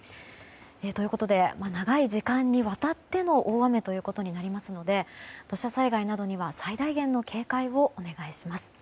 ということで長い時間にわたっての大雨ということになりますので土砂災害などには最大限の警戒をお願いします。